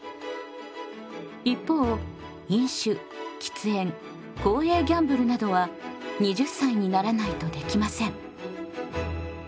一方飲酒喫煙公営ギャンブルなどは２０歳にならないとできません。